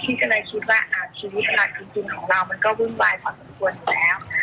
ที่ก็เลยคิดว่าอ่าชีวิตของเราจริงจริงของเรามันก็วุ่นวายพอสมควรแล้ว